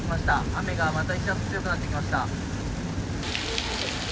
雨がまた一段と強くなってきました。